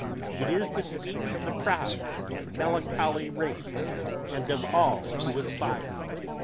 It is the speech of the proud and melancholy races and of all who aspire.